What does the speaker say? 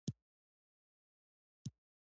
ایا ستاسو مینه به ګرمه وي؟